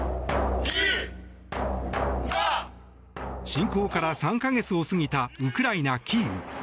侵攻から３か月を過ぎたウクライナ・キーウ。